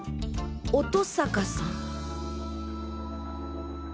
乙坂さん？